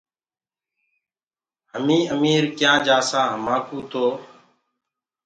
همينٚ اميٚر ڪِيآنٚ جآسآنٚ همآئونٚ تو